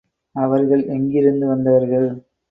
அவர்கள் எங்கிருந்து வந்தவர்கள்?